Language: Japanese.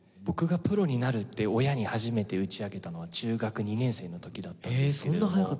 僕がプロになるって親に初めて打ち明けたのは中学２年生の時だったんですけれども。